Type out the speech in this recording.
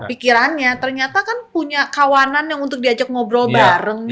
pikirannya ternyata kan punya kawanan yang untuk diajak ngobrol bareng